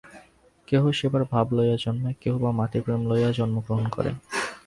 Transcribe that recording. কেহ সেবার ভাব লইয়া জন্মায়, কেহ বা মাতৃ-প্রেম লইয়া জন্মগ্রহণ করে।